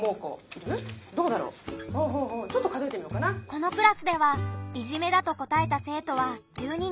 このクラスではいじめだと答えた生徒は１２人。